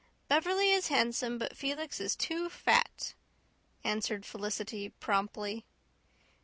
"Beverley is handsome, but Felix is too fat," answered Felicity promptly.